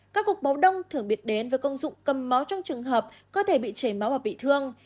các cuộc báo đông thường biệt đến với công dụng cầm máu trong trường hợp có thể bị chảy máu hoặc bị thương